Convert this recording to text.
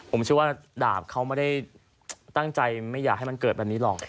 ผมเชื่อว่าดาบเขาไม่ได้ตั้งใจไม่อยากให้มันเกิดแบบนี้หรอก